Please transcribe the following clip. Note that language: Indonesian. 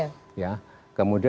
kemudian dengan itu